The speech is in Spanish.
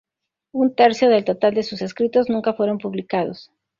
Un tercio del total de sus escritos nunca fueron publicados.